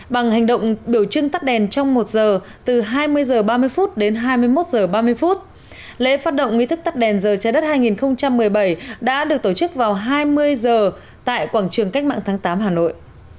bằng hành động biểu trưng tắt đèn trong một giờ từ hai mươi h ba mươi đến hai mươi một h ba mươi lễ phát động nghị thức tắt đèn giờ trái đất hai nghìn một mươi bảy đã được tổ chức vào hai mươi h tại quảng trường cách mạng tháng tám hà nội